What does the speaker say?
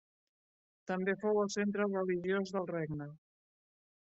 També fou el centre religiós del regne.